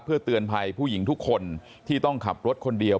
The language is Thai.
เพื่อเตือนภัยผู้หญิงทุกคนที่ต้องขับรถคนเดียว